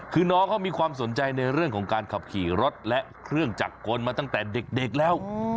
คือน้องเขามีความสนใจในเรื่องของการขับขี่รถและเครื่องจักรกลมาตั้งแต่เด็กแล้ว